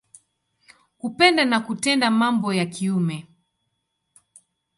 Kupenda na kutenda mambo ya kiume.